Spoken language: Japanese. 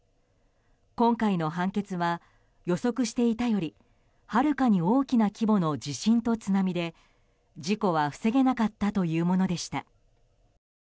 今回の判決は予測していたよりはるかに大きな規模の地震と津波で事故は防げなかったというものでした。